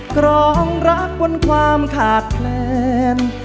กรองรักบนความขาดแคลน